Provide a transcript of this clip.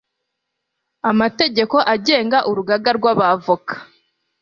amategeko agenga urugaga rw 'aba voka